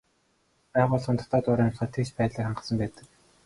Тиймээс байгууллагын дотоод уур амьсгал тэгш байдлыг хангасан байдаг.